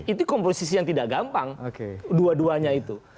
itu komposisi yang tidak gampang dua duanya itu